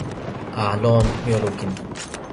a, lon! mi o lukin.